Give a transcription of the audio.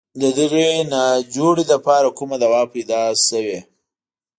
د دغې ناجوړې لپاره کومه دوا پیدا شوې.